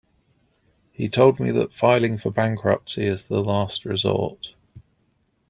He told me that filing for bankruptcy is the last resort.